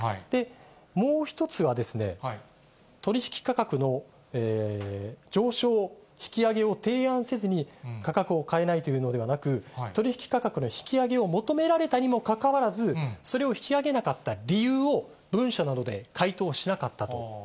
もう１つは、取り引き価格の上昇、引き上げを提案せずに、価格を変えないというのではなく、取り引き価格の引き上げを求められたにもかかわらず、それを引き上げなかった理由を文書などで回答しなかったと。